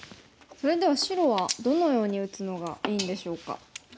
それでは白はどのように打つのがいいんでしょうか？